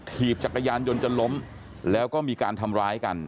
ถีบจักรยานยนต์จนล้มแล้วก็มีการทำร้ายกัน